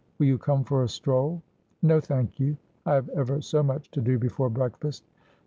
Will you come for a stroll ?' 'No, thank you. I have ever so much to do before break fast.'